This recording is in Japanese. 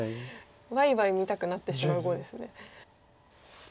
ワイワイ見たくなってしまう碁です。